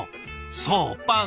そうパン。